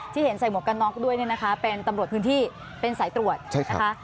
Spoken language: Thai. ที่เห็นใส่หมวกกันน็อกด้วยเนี่ยนะคะเป็นตำรวจพื้นที่เป็นสายตรวจนะคะ